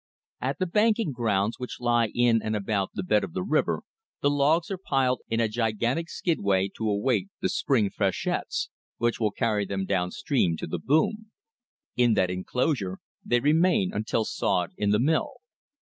At the banking grounds, which lie in and about the bed of the river, the logs are piled in a gigantic skidway to await the spring freshets, which will carry them down stream to the "boom." In that enclosure they remain until sawed in the mill.